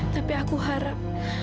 tapi aku harap